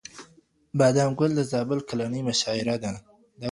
بادام ګل د زابل کلنۍ مشاعره ده.